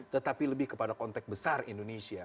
tetapi lebih kepada konteks besar indonesia